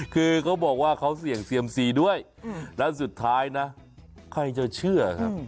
คือเขาบอกว่าเขาเสี่ยงเซียมซีด้วยแล้วสุดท้ายนะใครจะเชื่อครับ